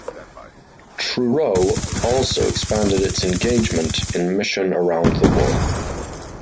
Truro also expanded its engagement in mission around the world.